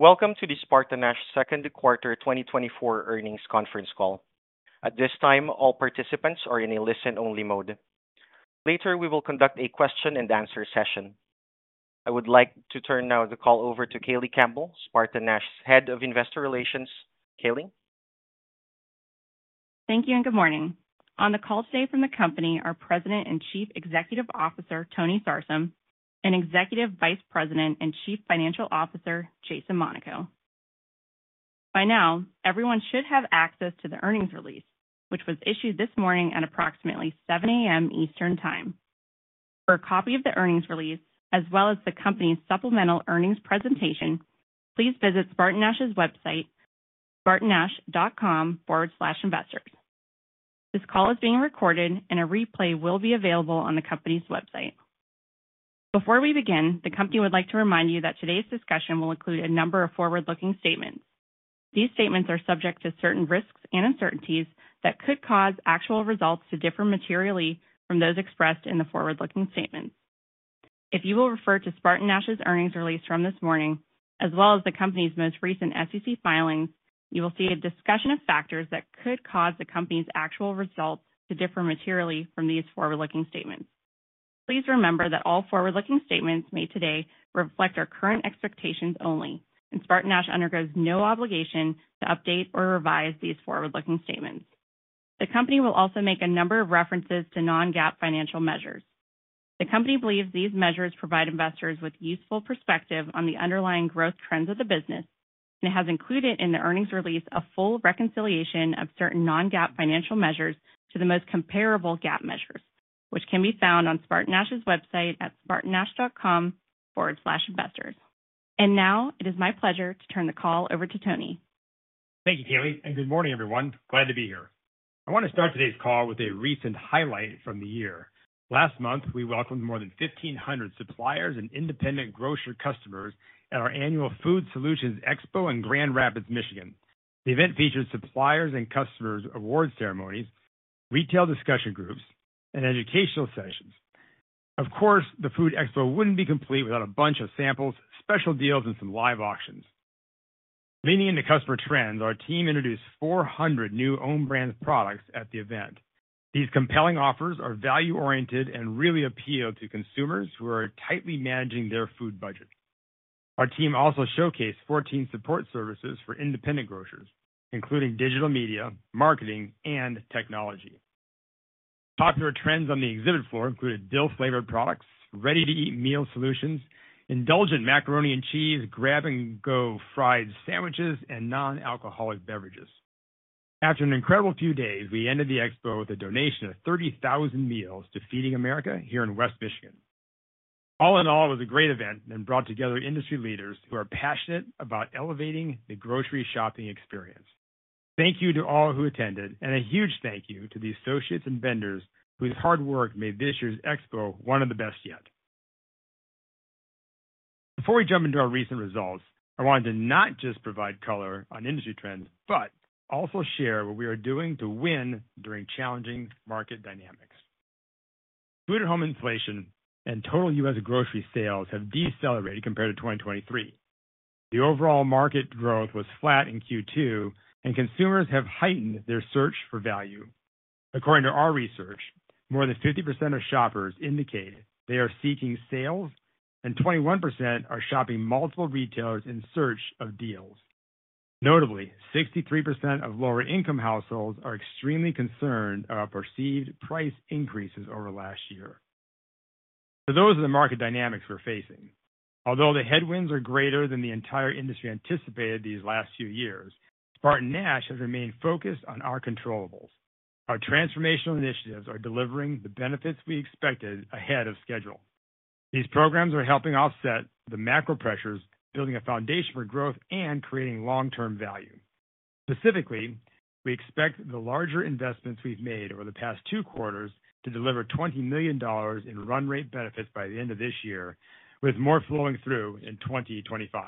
Welcome to the SpartanNash Second Quarter 2024 earnings conference call. At this time, all participants are in a listen-only mode. Later, we will conduct a question-and-answer session. I would like to turn now the call over to Kayleigh Campbell, SpartanNash Head of Investor Relations. Kayleigh? Thank you, and good morning. On the call today from the company are President and Chief Executive Officer, Tony Sarsam, and Executive Vice President and Chief Financial Officer, Jason Monaco. By now, everyone should have access to the earnings release, which was issued this morning at approximately 7 A.M. Eastern Time. For a copy of the earnings release, as well as the company's supplemental earnings presentation, please visit SpartanNash's website, spartannash.com/investors. This call is being recorded, and a replay will be available on the company's website. Before we begin, the company would like to remind you that today's discussion will include a number of forward-looking statements. These statements are subject to certain risks and uncertainties that could cause actual results to differ materially from those expressed in the forward-looking statements. If you will refer to SpartanNash's earnings release from this morning, as well as the company's most recent SEC filings, you will see a discussion of factors that could cause the company's actual results to differ materially from these forward-looking statements. Please remember that all forward-looking statements made today reflect our current expectations only, and SpartanNash undergoes no obligation to update or revise these forward-looking statements. The company will also make a number of references to non-GAAP financial measures. The company believes these measures provide investors with useful perspective on the underlying growth trends of the business and has included in the earnings release a full reconciliation of certain non-GAAP financial measures to the most comparable GAAP measures, which can be found on SpartanNash's website at spartannash.com/investors. Now, it is my pleasure to turn the call over to Tony. Thank you, Kayleigh, and good morning, everyone. Glad to be here. I want to start today's call with a recent highlight from the year. Last month, we welcomed more than 1,500 suppliers and independent grocer customers at our annual Food Solutions Expo in Grand Rapids, Michigan. The event featured suppliers and customers award ceremonies, retail discussion groups, and educational sessions. Of course, the Food Expo wouldn't be complete without a bunch of samples, special deals, and some live auctions. Leaning into customer trends, our team introduced 400 new own brand products at the event. These compelling offers are value-oriented and really appeal to consumers who are tightly managing their food budget. Our team also showcased 14 support services for independent grocers, including digital media, marketing, and technology. Popular trends on the exhibit floor included dill-flavored products, ready-to-eat meal solutions, indulgent macaroni and cheese, grab-and-go fried sandwiches, and non-alcoholic beverages. After an incredible few days, we ended the expo with a donation of 30,000 meals to Feeding America here in West Michigan. All in all, it was a great event and brought together industry leaders who are passionate about elevating the grocery shopping experience. Thank you to all who attended, and a huge thank you to the associates and vendors whose hard work made this year's expo one of the best yet. Before we jump into our recent results, I wanted to not just provide color on industry trends, but also share what we are doing to win during challenging market dynamics. Food at home inflation and total US grocery sales have decelerated compared to 2023. The overall market growth was flat in Q2, and consumers have heightened their search for value. According to our research, more than 50% of shoppers indicate they are seeking sales, and 21% are shopping multiple retailers in search of deals. Notably, 63% of lower-income households are extremely concerned about perceived price increases over last year. So those are the market dynamics we're facing. Although the headwinds are greater than the entire industry anticipated these last few years, SpartanNash has remained focused on our controllables. Our transformational initiatives are delivering the benefits we expected ahead of schedule. These programs are helping offset the macro pressures, building a foundation for growth, and creating long-term value. Specifically, we expect the larger investments we've made over the past two quarters to deliver $20 million in run rate benefits by the end of this year, with more flowing through in 2025.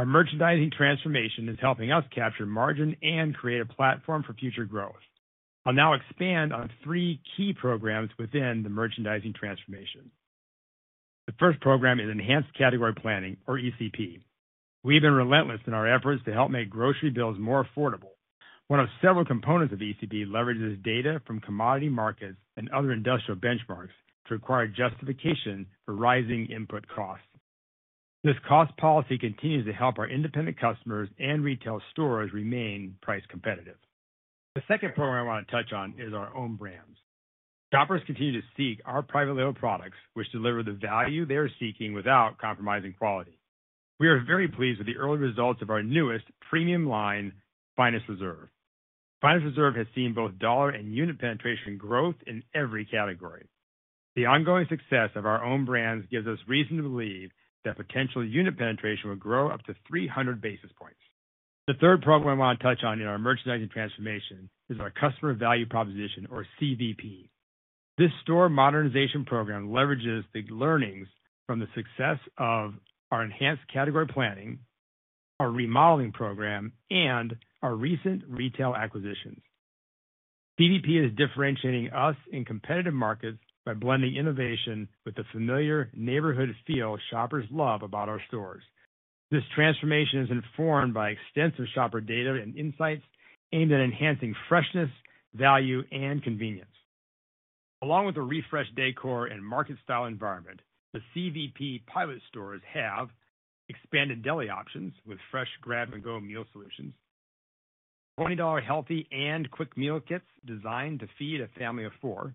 Our merchandising transformation is helping us capture margin and create a platform for future growth. I'll now expand on three key programs within the merchandising transformation. The first program is Enhanced Category Planning, or ECP. We've been relentless in our efforts to help make grocery bills more affordable. One of several components of ECP leverages data from commodity markets and other industrial benchmarks to require justification for rising input costs. This cost policy continues to help our independent customers and retail stores remain price competitive. The second program I want to touch on is our own brands. Shoppers continue to seek our private label products, which deliver the value they are seeking without compromising quality. We are very pleased with the early results of our newest premium line, Finest Reserve. Finest Reserve has seen both dollar and unit penetration growth in every category. The ongoing success of our own brands gives us reason to believe that potential unit penetration will grow up to 300 basis points. The third program I want to touch on in our merchandising transformation is our Customer Value Proposition, or CVP. This store modernization program leverages the learnings from the success of our enhanced category planning, our remodeling program, and our recent retail acquisitions. CVP is differentiating us in competitive markets by blending innovation with the familiar neighborhood feel shoppers love about our stores. This transformation is informed by extensive shopper data and insights aimed at enhancing freshness, value, and convenience. Along with the refreshed decor and market-style environment, the CVP pilot stores have expanded deli options with fresh grab-and-go meal solutions, $20 healthy and quick meal kits designed to feed a family of four,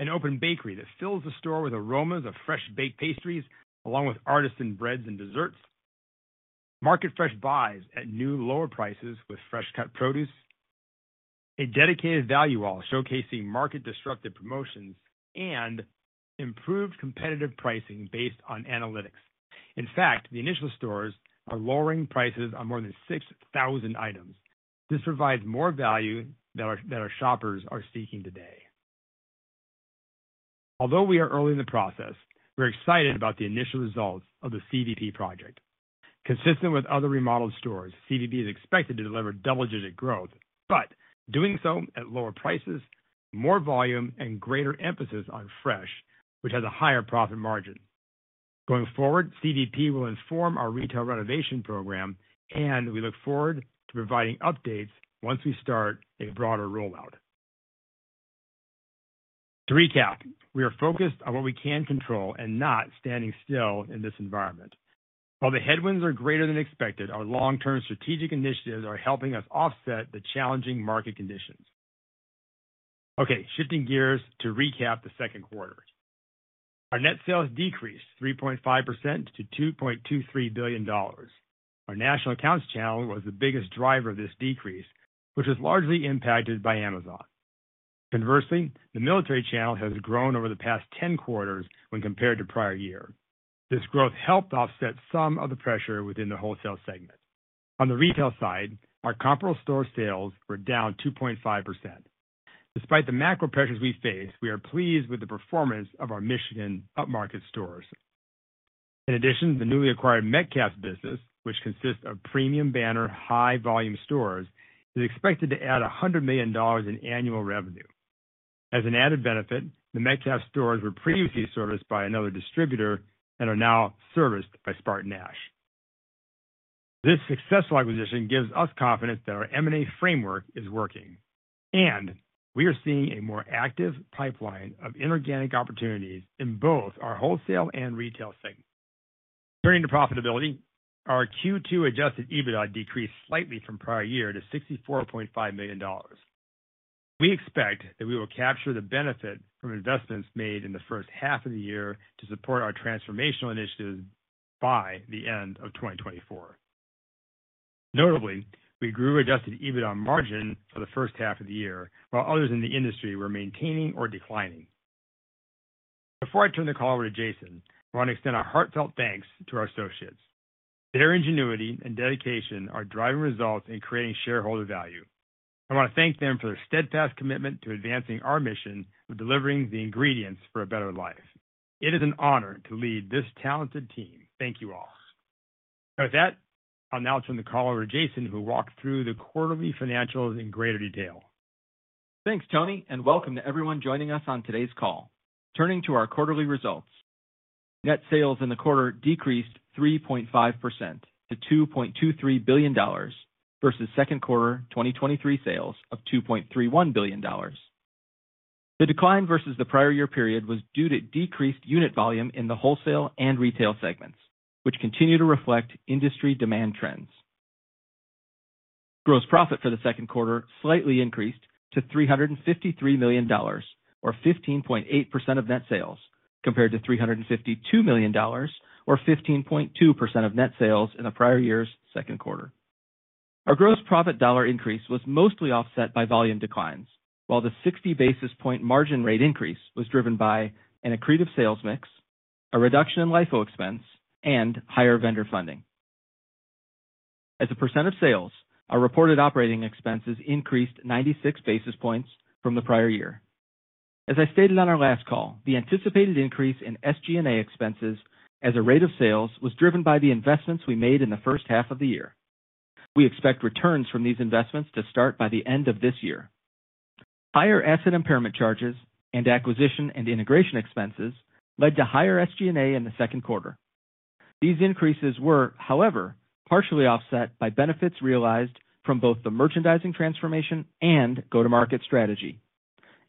an open bakery that fills the store with aromas of fresh baked pastries, along with artisan breads and desserts, market fresh buys at new, lower prices with fresh cut produce, a dedicated value wall showcasing market-disruptive promotions, and improved competitive pricing based on analytics. In fact, the initial stores are lowering prices on more than 6,000 items. This provides more value that our, that our shoppers are seeking today. Although we are early in the process, we're excited about the initial results of the CVP project. Consistent with other remodeled stores, CVP is expected to deliver double-digit growth, but doing so at lower prices, more volume, and greater emphasis on fresh, which has a higher profit margin. Going forward, CVP will inform our retail renovation program, and we look forward to providing updates once we start a broader rollout. To recap, we are focused on what we can control and not standing still in this environment. While the headwinds are greater than expected, our long-term strategic initiatives are helping us offset the challenging market conditions. Okay, shifting gears to recap the second quarter. Our net sales decreased 3.5% to $2.23 billion. Our national accounts channel was the biggest driver of this decrease, which was largely impacted by Amazon. Conversely, the military channel has grown over the past 10 quarters when compared to prior year. This growth helped offset some of the pressure within the wholesale segment. On the retail side, our comparable store sales were down 2.5%. Despite the macro pressures we face, we are pleased with the performance of our Michigan upmarket stores. In addition, the newly acquired Metcalfe's business, which consists of premium banner, high-volume stores, is expected to add $100 million in annual revenue. As an added benefit, the Metcalfe's stores were previously serviced by another distributor and are now serviced by SpartanNash. This successful acquisition gives us confidence that our M&A framework is working, and we are seeing a more active pipeline of inorganic opportunities in both our wholesale and retail segments. Turning to profitability, our Q2 Adjusted EBITDA decreased slightly from prior year to $64.5 million. We expect that we will capture the benefit from investments made in the first half of the year to support our transformational initiatives by the end of 2024. Notably, we grew Adjusted EBITDA margin for the first half of the year, while others in the industry were maintaining or declining. Before I turn the call over to Jason, I want to extend our heartfelt thanks to our associates. Their ingenuity and dedication are driving results and creating shareholder value. I want to thank them for their steadfast commitment to advancing our mission of delivering the ingredients for a better life. It is an honor to lead this talented team. Thank you all. Now, with that, I'll now turn the call over to Jason, who'll walk through the quarterly financials in greater detail. Thanks, Tony, and welcome to everyone joining us on today's call. Turning to our quarterly results. Net sales in the quarter decreased 3.5% to $2.23 billion versus second quarter 2023 sales of $2.31 billion. The decline versus the prior year period was due to decreased unit volume in the wholesale and retail segments, which continue to reflect industry demand trends. Gross profit for the second quarter slightly increased to $353 million, or 15.8% of net sales, compared to $352 million, or 15.2% of net sales in the prior year's second quarter. Our gross profit dollar increase was mostly offset by volume declines, while the 60 basis points margin rate increase was driven by an accretive sales mix, a reduction in LIFO expense, and higher vendor funding. As a % of sales, our reported operating expenses increased 96 basis points from the prior year. As I stated on our last call, the anticipated increase in SG&A expenses as a rate of sales was driven by the investments we made in the first half of the year. We expect returns from these investments to start by the end of this year. Higher asset impairment charges and acquisition and integration expenses led to higher SG&A in the second quarter. These increases were, however, partially offset by benefits realized from both the merchandising transformation and go-to-market strategy,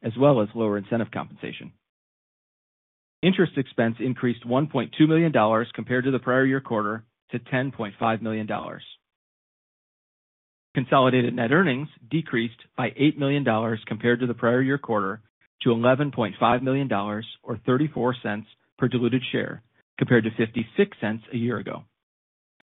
as well as lower incentive compensation. Interest expense increased $1.2 million compared to the prior year quarter to $10.5 million. Consolidated net earnings decreased by $8 million compared to the prior year quarter, to $11.5 million, or $0.34 per diluted share, compared to $0.56 a year ago.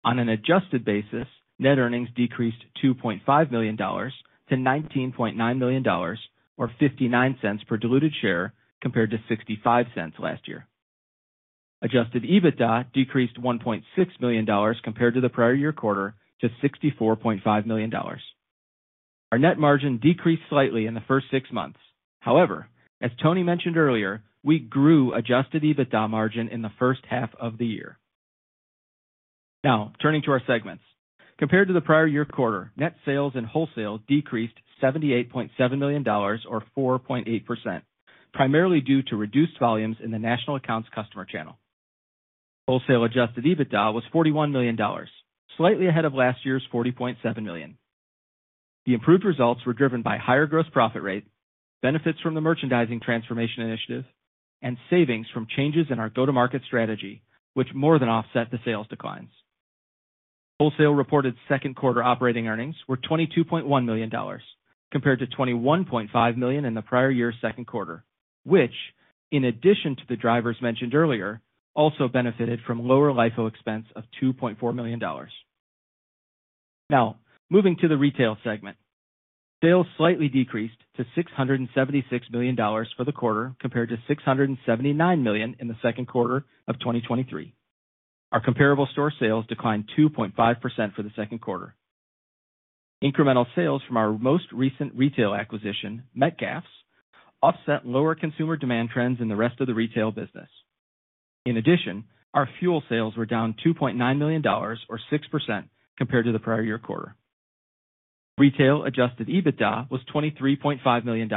On an adjusted basis, net earnings decreased $2.5 million to $19.9 million, or $0.59 per diluted share, compared to $0.65 last year. Adjusted EBITDA decreased $1.6 million compared to the prior year quarter to $64.5 million. Our net margin decreased slightly in the first six months. However, as Tony mentioned earlier, we grew adjusted EBITDA margin in the first half of the year. Now, turning to our segments. Compared to the prior year quarter, net sales and wholesale decreased $78.7 million or 4.8%, primarily due to reduced volumes in the national accounts customer channel. Wholesale adjusted EBITDA was $41 million, slightly ahead of last year's $40.7 million. The improved results were driven by higher gross profit rate, benefits from the merchandising transformation initiative, and savings from changes in our go-to-market strategy, which more than offset the sales declines. Wholesale reported second quarter operating earnings were $22.1 million, compared to $21.5 million in the prior year's second quarter, which, in addition to the drivers mentioned earlier, also benefited from lower LIFO expense of $2.4 million. Now, moving to the retail segment. Sales slightly decreased to $676 million for the quarter, compared to $679 million in the second quarter of 2023. Our comparable store sales declined 2.5% for the second quarter. Incremental sales from our most recent retail acquisition, Metcalfe's, offset lower consumer demand trends in the rest of the retail business. In addition, our fuel sales were down $2.9 million or 6% compared to the prior year quarter. Retail Adjusted EBITDA was $23.5 million,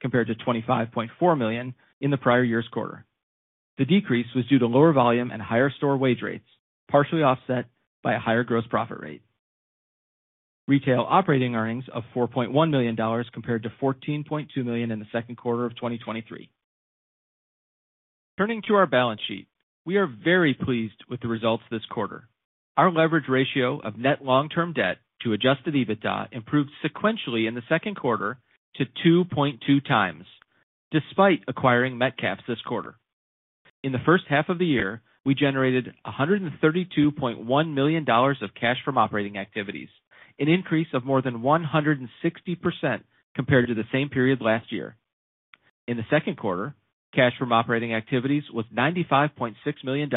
compared to $25.4 million in the prior year's quarter. The decrease was due to lower volume and higher store wage rates, partially offset by a higher gross profit rate. Retail operating earnings of $4.1 million, compared to $14.2 million in the second quarter of 2023. Turning to our balance sheet, we are very pleased with the results this quarter. Our leverage ratio of net long-term debt to Adjusted EBITDA improved sequentially in the second quarter to 2.2x, despite acquiring Metcalfe's this quarter. In the first half of the year, we generated $132.1 million of cash from operating activities, an increase of more than 160% compared to the same period last year. In the second quarter, cash from operating activities was $95.6 million,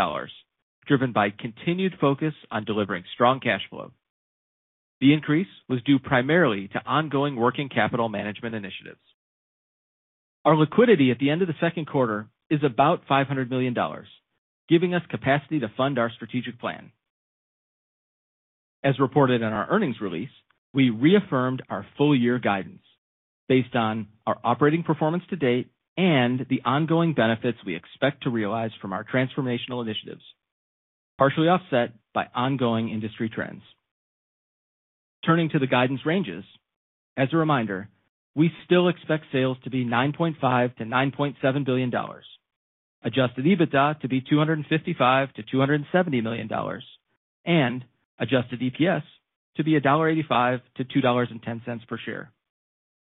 driven by continued focus on delivering strong cash flow. The increase was due primarily to ongoing working capital management initiatives. Our liquidity at the end of the second quarter is about $500 million, giving us capacity to fund our strategic plan. As reported in our earnings release, we reaffirmed our full-year guidance based on our operating performance to date and the ongoing benefits we expect to realize from our transformational initiatives, partially offset by ongoing industry trends. Turning to the guidance ranges, as a reminder, we still expect sales to be $9.5 billion-$9.7 billion, adjusted EBITDA to be $255 million-$270 million, and adjusted EPS to be $1.85-$2.10 per share.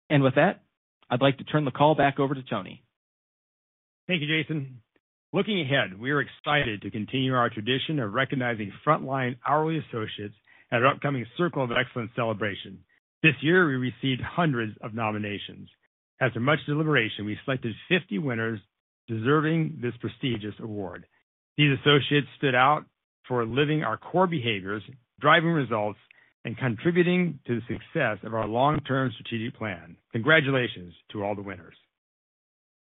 With that, I'd like to turn the call back over to Tony. Thank you, Jason. Looking ahead, we are excited to continue our tradition of recognizing frontline hourly associates at our upcoming Circle of Excellence celebration. This year, we received hundreds of nominations. After much deliberation, we selected 50 winners deserving this prestigious award. These associates stood out for living our core behaviors, driving results, and contributing to the success of our long-term strategic plan. Congratulations to all the winners.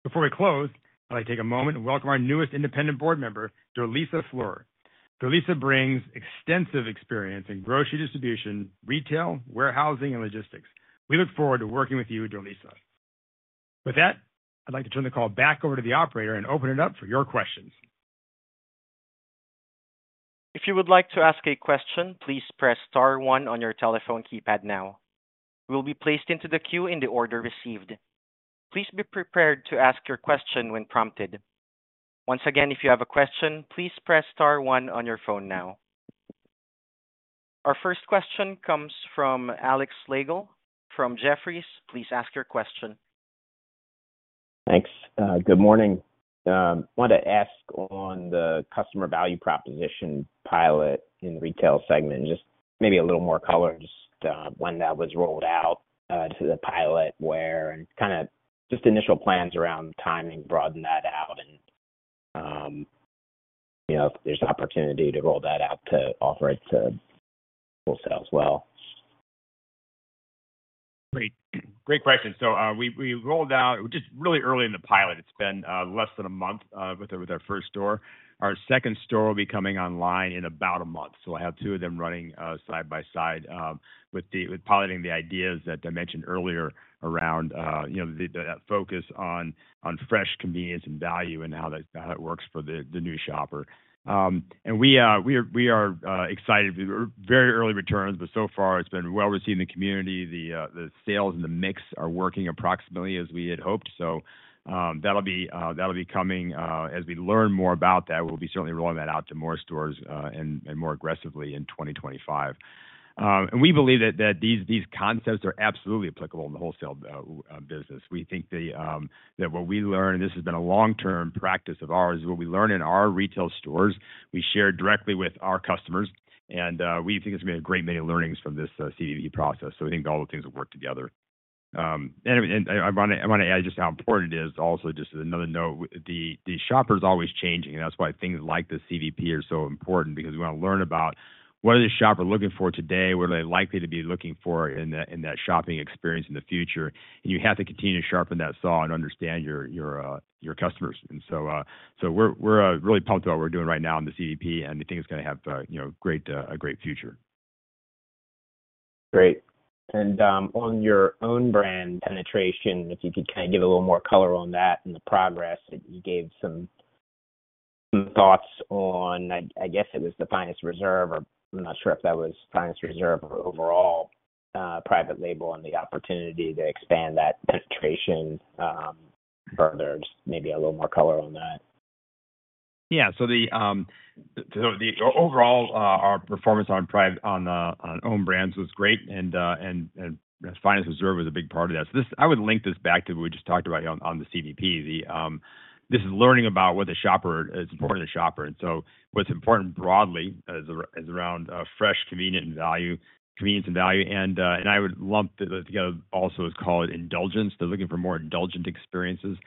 Before we close, I'd like to take a moment and welcome our newest independent board member, Lisa M. Flores. Lisa M. Flores brings extensive experience in grocery distribution, retail, warehousing, and logistics. We look forward to working with you, Lisa. With that, I'd like to turn the call back over to the operator and open it up for your questions. If you would like to ask a question, please press star one on your telephone keypad now. You will be placed into the queue in the order received. Please be prepared to ask your question when prompted. Once again, if you have a question, please press star one on your phone now. Our first question comes from Alex Slagle from Jefferies. Please ask your question. Thanks. Good morning. Wanted to ask on the customer value proposition pilot in retail segment, just maybe a little more color, just when that was rolled out to the pilot, where and kinda just initial plans around timing, broaden that out, and you know, if there's an opportunity to roll that out to offer it to wholesale as well? Great. Great question. So, we rolled out just really early in the pilot. It's been less than a month with our first store. Our second store will be coming online in about a month, so I have two of them running side by side with piloting the ideas that I mentioned earlier around, you know, that focus on fresh convenience and value and how that, how it works for the new shopper. And we are excited. We're very early returns, but so far it's been well received in the community. The sales and the mix are working approximately as we had hoped. So, that'll be coming as we learn more about that. We'll be certainly rolling that out to more stores and more aggressively in 2025. And we believe that these concepts are absolutely applicable in the wholesale business. We think that what we learn, and this has been a long-term practice of ours, what we learn in our retail stores, we share directly with our customers, and we think it's been a great many learnings from this CVP process, so we think all the things will work together. And I wanna add just how important it is. Also, just another note, the shopper is always changing, and that's why things like the CVP are so important, because we wanna learn about what are the shopper looking for today? What are they likely to be looking for in that shopping experience in the future? And you have to continue to sharpen that saw and understand your customers. So, we're really pumped about what we're doing right now in the CVP, and we think it's gonna have, you know, a great future. Great. And, on your own brand penetration, if you could kind of give a little more color on that and the progress. You gave some thoughts on, I guess it was the Finest Reserve, or I'm not sure if that was Finest Reserve or overall, private label and the opportunity to expand that penetration, further. Maybe a little more color on that. Yeah. So the overall our performance on own brands was great, and Finest Reserve was a big part of that. So I would link this back to what we just talked about on the CVP. This is learning about what is important to the shopper. And so what's important broadly is around fresh, convenient, and value, convenience and value. And I would lump that together also as, call it, indulgence. They're looking for more indulgent experiences.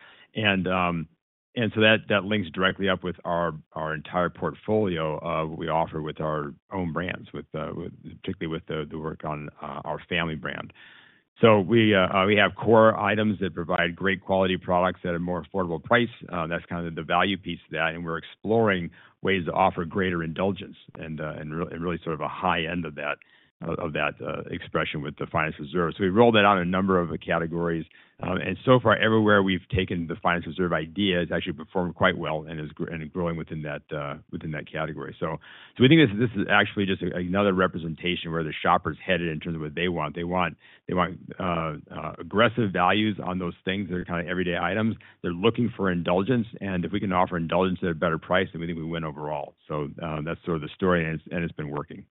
And so that links directly up with our entire portfolio of what we offer with our own brands, with particularly with the work on Our Family brand. So we have core items that provide great quality products at a more affordable price, that's kind of the value piece to that, and we're exploring ways to offer greater indulgence and really sort of a high end of that expression with the Finest Reserve. So we rolled that out in a number of categories, and so far, everywhere we've taken the Finest Reserve idea, it's actually performed quite well and is growing within that category. So we think this is actually just another representation where the shopper's headed in terms of what they want. They want aggressive values on those things that are kind of everyday items. They're looking for indulgence, and if we can offer indulgence at a better price, then we think we win overall. So, that's sort of the story, and it's been working.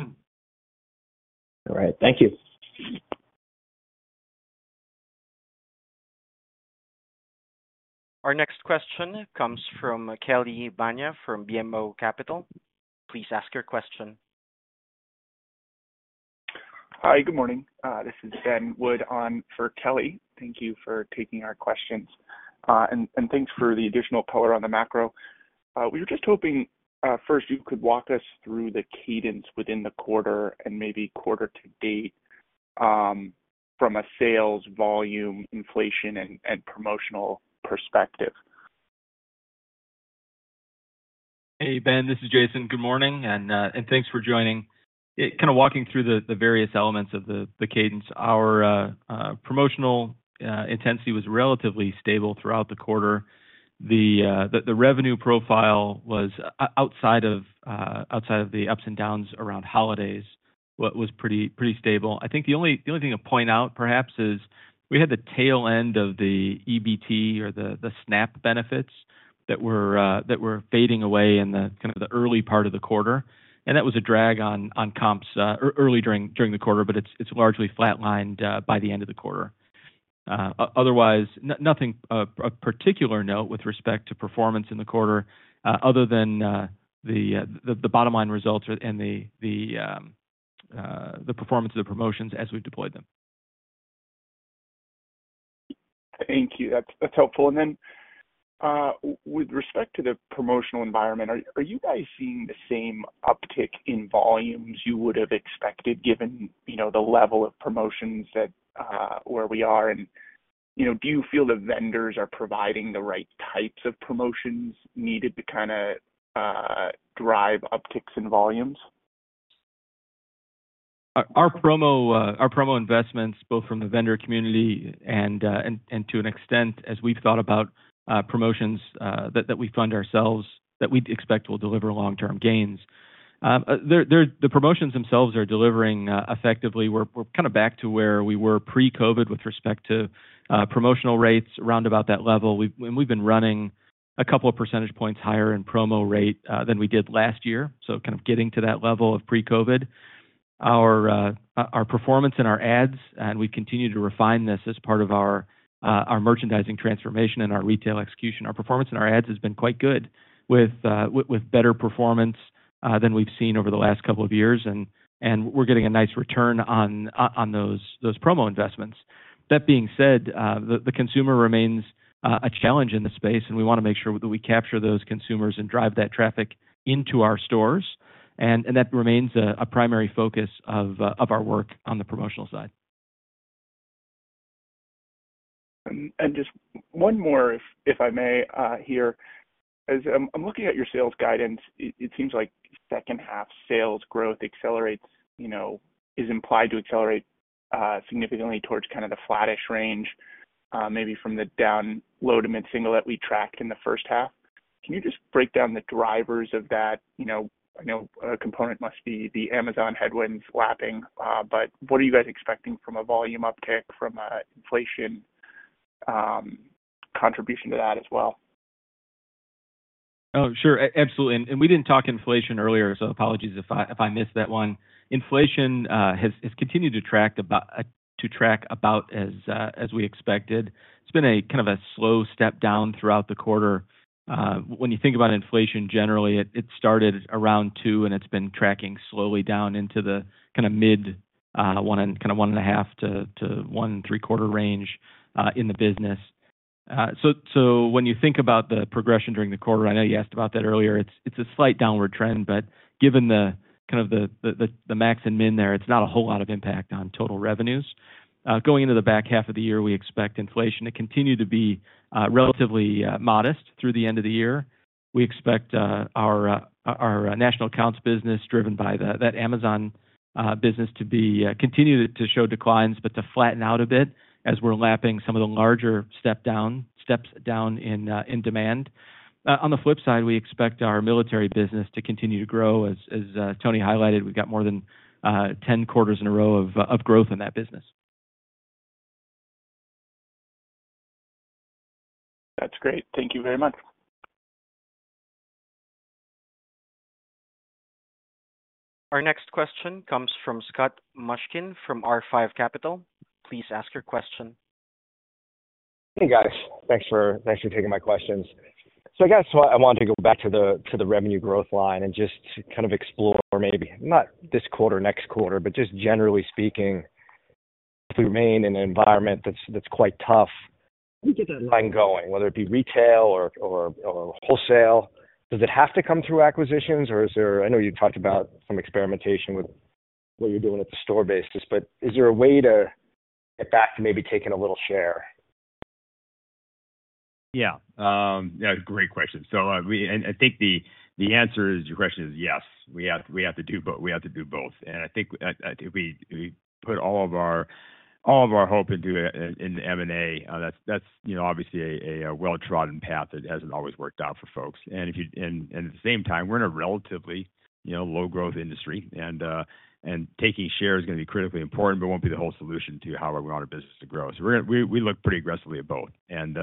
All right. Thank you. Our next question comes from Kelly Bania, from BMO Capital. Please ask your question. Hi, good morning, this is Ben Wood on for Kelly. Thank you for taking our questions, and thanks for the additional color on the macro. We were just hoping, first, you could walk us through the cadence within the quarter and maybe quarter to date, from a sales volume, inflation, and promotional perspective. Hey, Ben, this is Jason. Good morning, and thanks for joining. Kind of walking through the various elements of the cadence. Our promotional intensity was relatively stable throughout the quarter. The revenue profile was outside of the ups and downs around holidays, was pretty stable. I think the only thing to point out, perhaps, is we had the tail end of the EBT or the SNAP benefits that were fading away in kind of the early part of the quarter, and that was a drag on comps early during the quarter, but it's largely flatlined by the end of the quarter. Otherwise, nothing of particular note with respect to performance in the quarter, other than the bottom line results and the performance of the promotions as we've deployed them. Thank you. That's, that's helpful. And then, with respect to the promotional environment, are you guys seeing the same uptick in volumes you would have expected, given, you know, the level of promotions that where we are? And, you know, do you feel the vendors are providing the right types of promotions needed to kinda drive upticks in volumes? Our promo investments, both from the vendor community and to an extent, as we've thought about promotions that we fund ourselves, that we'd expect will deliver long-term gains. The promotions themselves are delivering effectively. We're kind of back to where we were pre-COVID with respect to promotional rates around about that level. We've been running a couple of percentage points higher in promo rate than we did last year, so kind of getting to that level of pre-COVID. Our performance and our ads, and we continue to refine this as part of our merchandising transformation and our retail execution. Our performance and our ads has been quite good, with better performance than we've seen over the last couple of years, and we're getting a nice return on those promo investments. That being said, the consumer remains a challenge in this space, and we wanna make sure that we capture those consumers and drive that traffic into our stores, and that remains a primary focus of our work on the promotional side. Just one more, if I may, here. As I'm looking at your sales guidance, it seems like second half sales growth accelerates, you know, is implied to accelerate significantly towards kind of the flattish range, maybe from the down low to mid single that we tracked in the first half. Can you just break down the drivers of that? You know, I know a component must be the Amazon headwinds lapping, but what are you guys expecting from a volume uptick, from an inflation contribution to that as well? Oh, sure. Absolutely, and we didn't talk inflation earlier, so apologies if I missed that one. Inflation has continued to track about as we expected. It's been a kind of a slow step down throughout the quarter. When you think about inflation, generally, it started around 2%, and it's been tracking slowly down into the kind of mid-1% and kind of 1.5%-1.75% range in the business. So, when you think about the progression during the quarter, I know you asked about that earlier, it's a slight downward trend, but given the kind of the max and min there, it's not a whole lot of impact on total revenues. Going into the back half of the year, we expect inflation to continue to be relatively modest through the end of the year. We expect our national accounts business, driven by that Amazon business, to continue to show declines, but to flatten out a bit as we're lapping some of the larger step down, steps down in demand. On the flip side, we expect our military business to continue to grow. As Tony highlighted, we've got more than 10 quarters in a row of growth in that business. That's great. Thank you very much. Our next question comes from Scott Mushkin from R5 Capital. Please ask your question. Hey, guys. Thanks for taking my questions. So I guess what I wanted to go back to the revenue growth line and just kind of explore maybe, not this quarter, next quarter, but just generally speaking, if we remain in an environment that's quite tough, we get that line going, whether it be retail or wholesale. Does it have to come through acquisitions, or is there. I know you talked about some experimentation with what you're doing at the store basis, but is there a way to get back to maybe taking a little share? Yeah, yeah, great question. So, we—and I think the answer to your question is yes. We have to do both—we have to do both. And I think, if we put all of our hope into the M&A, that's, you know, obviously a well-trodden path that hasn't always worked out for folks. And at the same time, we're in a relatively, you know, low growth industry, and taking share is gonna be critically important, but won't be the whole solution to how we want our business to grow. So we're gonna—we look pretty aggressively at both. And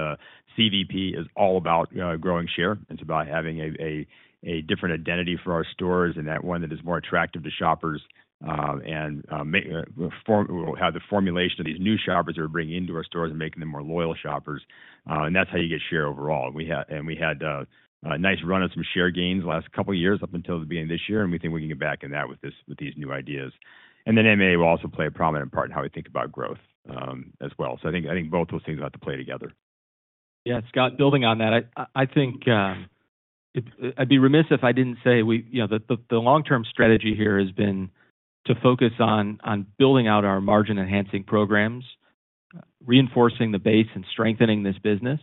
CVP is all about growing share. It's about having a different identity for our stores and that one that is more attractive to shoppers, and have the formulation of these new shoppers who are bringing into our stores and making them more loyal shoppers. And that's how you get share overall. We had a nice run of some share gains the last couple of years, up until the beginning of this year, and we think we can get back in that with these new ideas. And then M&A will also play a prominent part in how we think about growth, as well. So I think both those things have to play together. Yeah, Scott, building on that, I think, I'd be remiss if I didn't say we, you know, the long-term strategy here has been to focus on building out our margin-enhancing programs, reinforcing the base and strengthening this business,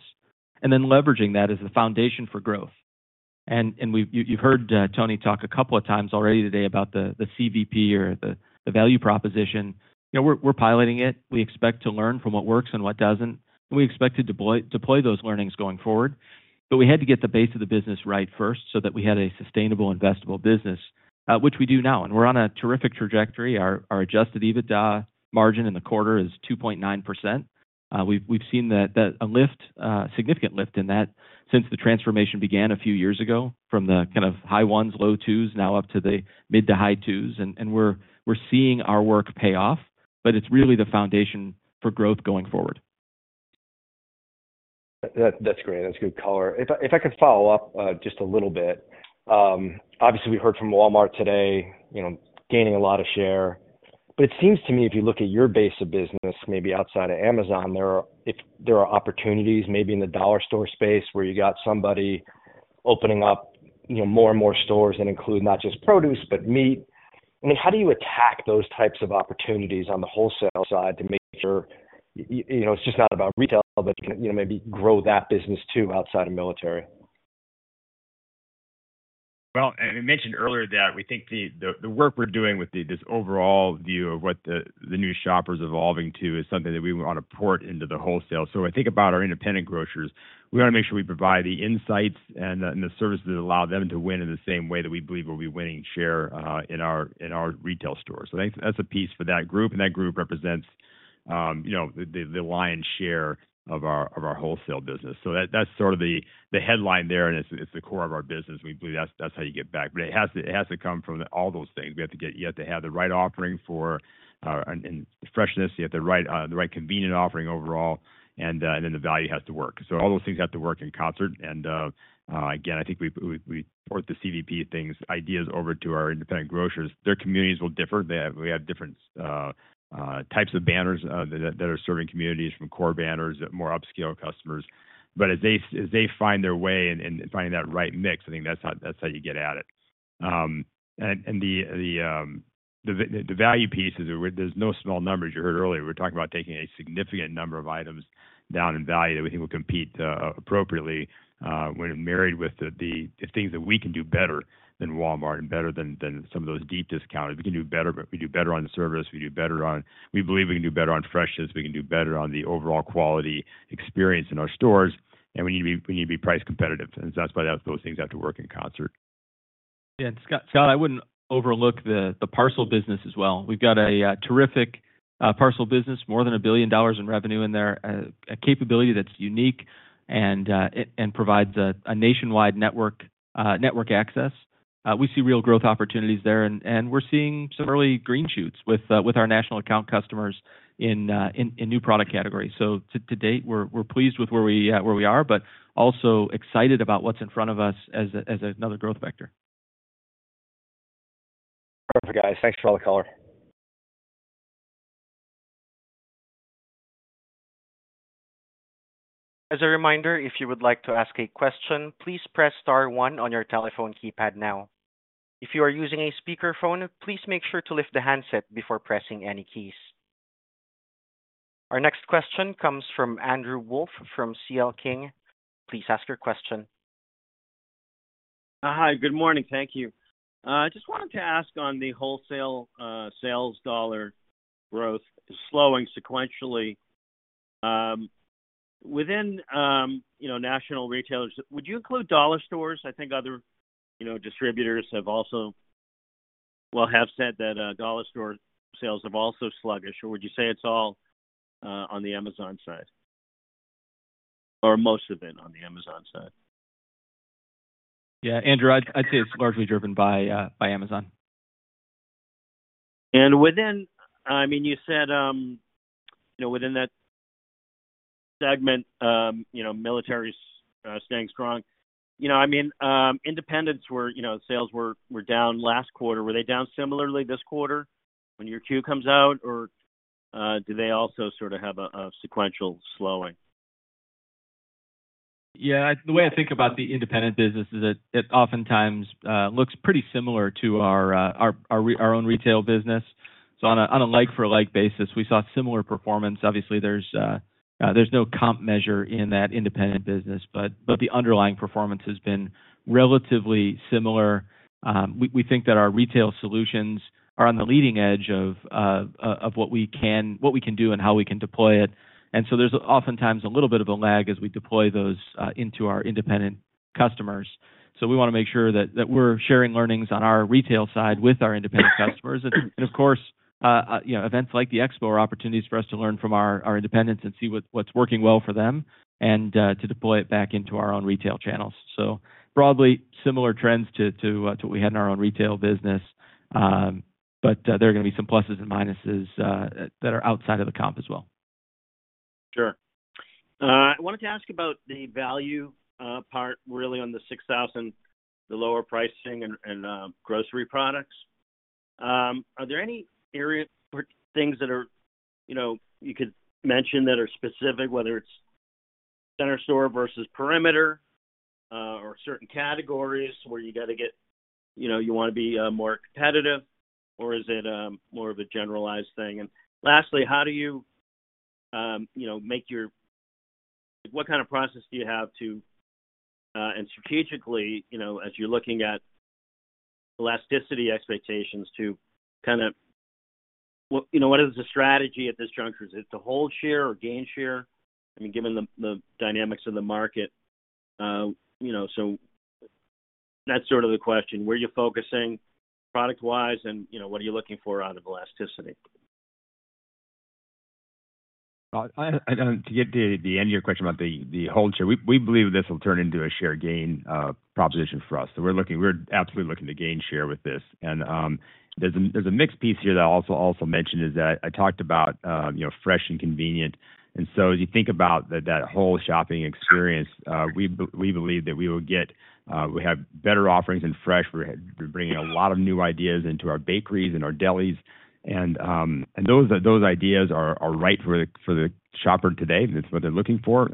and then leveraging that as the foundation for growth. And we've—you heard Tony talk a couple of times already today about the CVP or the value proposition. You know, we're piloting it. We expect to learn from what works and what doesn't, and we expect to deploy those learnings going forward. But we had to get the base of the business right first, so that we had a sustainable, investable business, which we do now, and we're on a terrific trajectory. Our adjusted EBITDA margin in the quarter is 2.9%. We've seen that, a significant lift in that since the transformation began a few years ago, from the kind of high ones, low twos, now up to the mid to high twos, and we're seeing our work pay off, but it's really the foundation for growth going forward. That, that's great. That's a good color. If I could follow up, just a little bit. Obviously, we heard from Walmart today, you know, gaining a lot of share. But it seems to me, if you look at your base of business, maybe outside of Amazon, there are opportunities, maybe in the dollar store space, where you got somebody opening up, you know, more and more stores that include not just produce, but meat. I mean, how do you attack those types of opportunities on the wholesale side to make sure, you know, it's just not about retail, but, you know, maybe grow that business too, outside of military? Well, and we mentioned earlier that we think the work we're doing with this overall view of what the new shopper's evolving to, is something that we wanna port into the wholesale. So I think about our independent grocers. We wanna make sure we provide the insights and the services that allow them to win in the same way that we believe we'll be winning share in our retail stores. So that's a piece for that group, and that group represents, you know, the lion's share of our wholesale business. So that's sort of the headline there, and it's the core of our business. We believe that's how you get back. But it has to come from all those things. You have to have the right offering for, and freshness, you have the right, the right convenient offering overall, and, and then the value has to work. So all those things have to work in concert, and, again, I think we port the CVP things, ideas over to our independent grocers. Their communities will differ. We have different types of banners that are serving communities from core banners to more upscale customers. But as they find their way and finding that right mix, I think that's how you get at it. And the value piece is there, there's no small numbers you heard earlier. We're talking about taking a significant number of items down in value that we think will compete appropriately when married with the things that we can do better than Walmart and better than some of those deep discounters. We can do better, but we do better on the service, we do better on. We believe we can do better on freshness, we can do better on the overall quality experience in our stores, and we need to be price competitive, and so that's why those things have to work in concert. Yeah, Scott, I wouldn't overlook the parcel business as well. We've got a terrific parcel business, more than $1 billion in revenue there. A capability that's unique and it and provides a nationwide network access. We see real growth opportunities there, and we're seeing some early green shoots with our national account customers in new product categories. So to date, we're pleased with where we are, but also excited about what's in front of us as another growth vector. Perfect, guys. Thanks for all the color. As a reminder, if you would like to ask a question, please press star one on your telephone keypad now. If you are using a speakerphone, please make sure to lift the handset before pressing any keys. Our next question comes from Andrew Wolf, from CL King. Please ask your question. Hi, good morning. Thank you. I just wanted to ask on the wholesale sales dollar growth slowing sequentially within you know national retailers, would you include dollar stores? I think other you know distributors have also. Well, have said that dollar store sales have also sluggish, or would you say it's all on the Amazon side? Or most have been on the Amazon side? Yeah, Andrew, I'd say it's largely driven by Amazon. Within, I mean, you said, you know, within that segment, you know, military's staying strong. You know, I mean, independents were, you know, sales were, were down last quarter. Were they down similarly this quarter, when your Q comes out? Or, do they also sort of have a, a sequential slowing? Yeah, the way I think about the independent business is that it oftentimes looks pretty similar to our own retail business. So on a like for like basis, we saw similar performance. Obviously, there's no comp measure in that independent business, but the underlying performance has been relatively similar. We think that our retail solutions are on the leading edge of what we can do and how we can deploy it. And so there's oftentimes a little bit of a lag as we deploy those into our independent customers. So we wanna make sure that we're sharing learnings on our retail side with our independent customers. And of course, you know, events like the expo are opportunities for us to learn from our independents and see what's working well for them and to deploy it back into our own retail channels. So broadly, similar trends to what we had in our own retail business. But there are gonna be some pluses and minuses that are outside of the comp as well. Sure. I wanted to ask about the value part, really on the $6,000, the lower pricing and grocery products. Are there any areas or things that are, you know, you could mention that are specific, whether it's center store versus perimeter, or certain categories where you gotta get, you know, you wanna be more competitive, or is it more of a generalized thing? And lastly, how do you, you know, make your... What kind of process do you have to, and strategically, you know, as you're looking at elasticity expectations, to kind of, what, you know, what is the strategy at this juncture? Is it to hold share or gain share? I mean, given the dynamics of the market, you know, so that's sort of the question. Where are you focusing product-wise, and, you know, what are you looking for out of elasticity? I, I, to get to the end of your question about the whole share, we, we believe this will turn into a share gain proposition for us. So we're looking—we're absolutely looking to gain share with this. And there's a mixed piece here that I also mentioned is that I talked about you know, fresh and convenient. And so as you think about that whole shopping experience, we believe that we will get, we have better offerings in fresh. We're bringing a lot of new ideas into our bakeries and our delis, and those ideas are right for the shopper today. That's what they're looking for,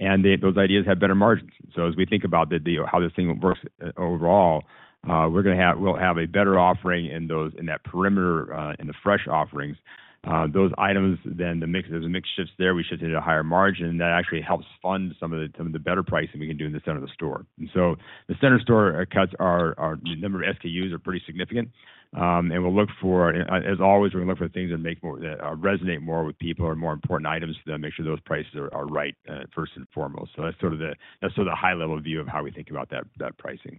and they. Those ideas have better margins. So as we think about the how this thing works overall, we're gonna have—we'll have a better offering in those, in that perimeter, in the fresh offerings. Those items then the mix, as the mix shifts there, we should hit a higher margin. That actually helps fund some of the better pricing we can do in the center of the store. And so the center store cuts are the number of SKUs are pretty significant, and we'll look for, as always, we're gonna look for things that make more resonate more with people or more important items to them, make sure those prices are right, first and foremost. So that's sort of the high-level view of how we think about that pricing.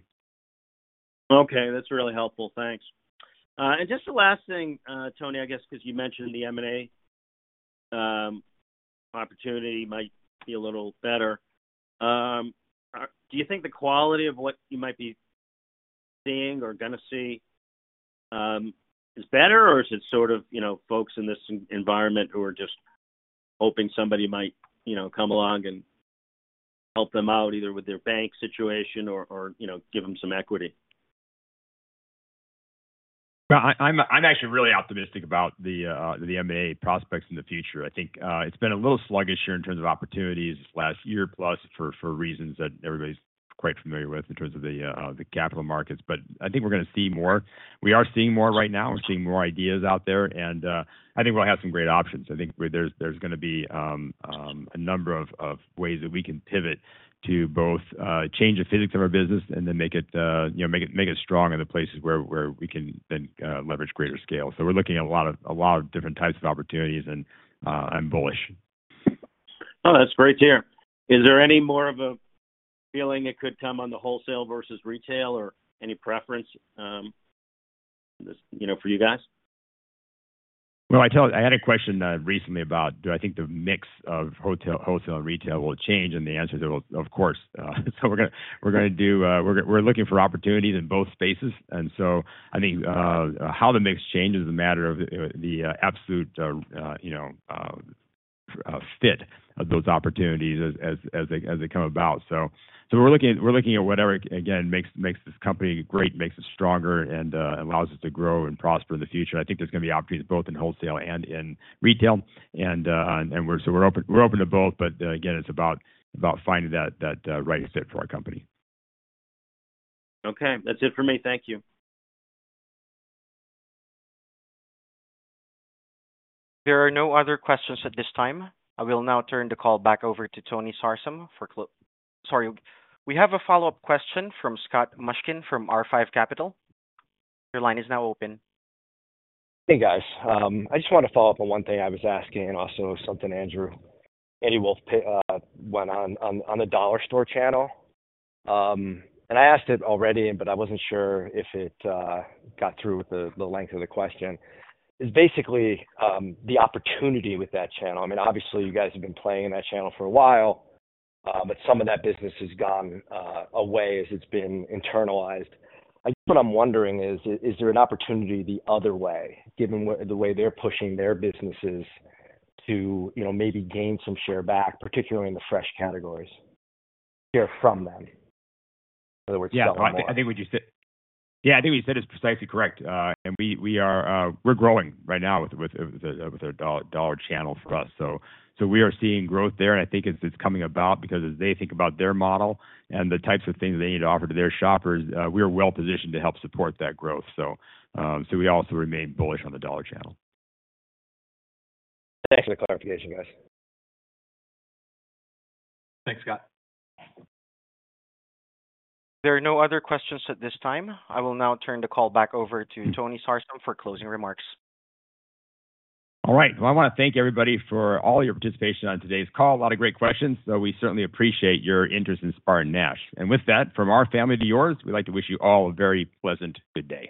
Okay, that's really helpful. Thanks. And just the last thing, Tony, I guess because you mentioned the M&A opportunity might be a little better. Do you think the quality of what you might be seeing or gonna see is better, or is it sort of, you know, folks in this environment who are just hoping somebody might, you know, come along and help them out, either with their bank situation or, you know, give them some equity? Well, I'm actually really optimistic about the M&A prospects in the future. I think it's been a little sluggish here in terms of opportunities this last year, plus for reasons that everybody's quite familiar with in terms of the capital markets, but I think we're gonna see more. We are seeing more right now. We're seeing more ideas out there, and I think we'll have some great options. I think there's gonna be a number of ways that we can pivot to both change the physics of our business and then make it, you know, make it stronger in the places where we can then leverage greater scale. So we're looking at a lot of different types of opportunities, and I'm bullish. Oh, that's great to hear. Is there any more of a feeling it could come on the wholesale versus retail or any preference, you know, for you guys? Well, I tell you, I had a question recently about, do I think the mix of wholesale and retail will change? And the answer is, of course. So we're gonna do, we're looking for opportunities in both spaces, and so I think how the mix changes is a matter of the absolute, you know, fit of those opportunities as they come about. So we're looking at whatever, again, makes this company great, makes us stronger, and allows us to grow and prosper in the future. I think there's gonna be opportunities both in wholesale and in retail, and we're... So we're open to both, but again, it's about finding that right fit for our company. Okay. That's it for me. Thank you. There are no other questions at this time. I will now turn the call back over to Tony Sarsam for clo-- Sorry. We have a follow-up question from Scott Mushkin from R5 Capital. Your line is now open. Hey, guys. I just want to follow up on one thing I was asking, and also something Andrew Wolf went on the dollar store channel. And I asked it already, but I wasn't sure if it got through with the length of the question. It's basically the opportunity with that channel. I mean, obviously, you guys have been playing in that channel for a while, but some of that business has gone away as it's been internalized. I guess what I'm wondering is, is there an opportunity the other way, given the way they're pushing their businesses to, you know, maybe gain some share back, particularly in the fresh categories, hear from them? In other words, sell more. Yeah. I think what you said. Yeah, I think what you said is precisely correct. And we are growing right now with our dollar channel for us. So we are seeing growth there, and I think it's coming about because as they think about their model and the types of things they need to offer to their shoppers, we are well positioned to help support that growth. So we also remain bullish on the dollar channel. Thanks for the clarification, guys. Thanks, Scott. There are no other questions at this time. I will now turn the call back over to Tony Sarsam for closing remarks. All right. Well, I wanna thank everybody for all your participation on today's call. A lot of great questions, so we certainly appreciate your interest in SpartanNash. And with that, from our family to yours, we'd like to wish you all a very pleasant good day.